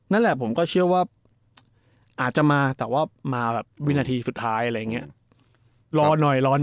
นั่นแหละผมก็เชื่อว่าอาจจะมาแต่ว่ามาแบบวินาทีสุดท้ายอะไรอย่างนี้